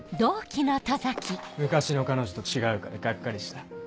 昔の彼女と違うからがっかりした？